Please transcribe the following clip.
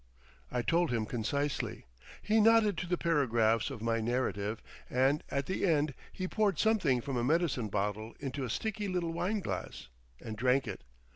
I told him concisely. He nodded to the paragraphs of my narrative and at the end he poured something from a medicine bottle into a sticky little wineglass and drank it.